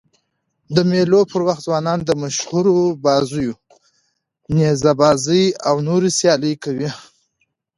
د مېلو پر وخت ځوانان د مشهورو بازيو: نیزه بازي او نورو سيالۍ کوي.